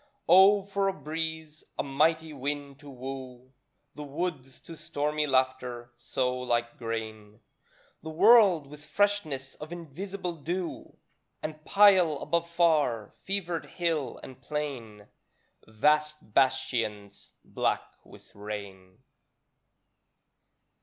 Oh, for a breeze, a mighty wind to woo The woods to stormy laughter; sow like grain The world with freshness of invisible dew. And pile above far, fevered hill and plain. Vast bastions black with rain.